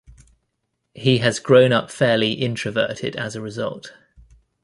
He has grown up fairly introverted as a result.